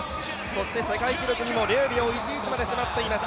そして世界記録にも０秒１１に迫っています。